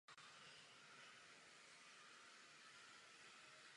Bezdružice jsou přirozeným menším centrem pro okolní menší sídla.